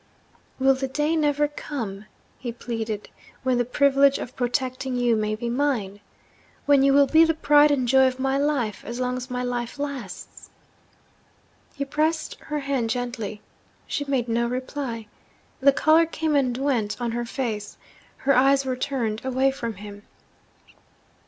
'Will the day never come,' he pleaded, 'when the privilege of protecting you may be mine? when you will be the pride and joy of my life, as long as my life lasts?' He pressed her hand gently. She made no reply. The colour came and went on her face; her eyes were turned away from him.